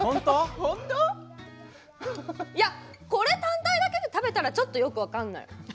これ単体だけで食べたらちょっとよく分からない。